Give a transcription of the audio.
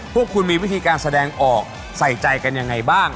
พวกคุณมีวิธีการแสดงออกใส่ใจกันยังไงบ้าง